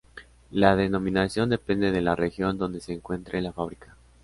La denominación depende de la región donde se encuentre la fábrica.